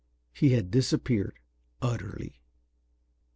He had disappeared utterly.